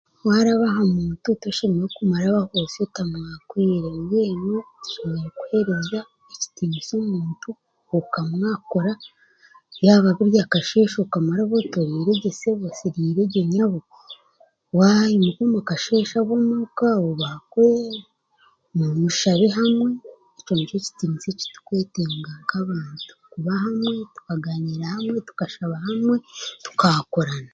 Waaraba ha muntu t'oshemereire kumurabaho osyo otamwakwire, mbwenu oine kuhereza ekitiinisa omuntu, okamwakura, yaaba buri akasheeshe okamurabaho oti oriiregye sebo, oti oriiregye nyabo, waaimuka omukasheeshe ab'omuuka obaakure, mushabe hamwe, ekyo nikyo turikwetenga nk'abantu, kuba hamwe, tukagaaniira hamwe, tukashaba hamwe, tukaakurana.